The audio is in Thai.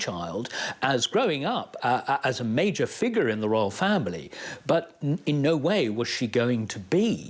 จะกลายเป็นรัชธาญาติลำดับที่หนึ่งโดยทันที